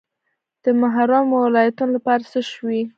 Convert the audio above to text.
د محرومو ولایتونو لپاره څه شوي؟